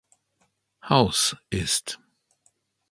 House'" ist.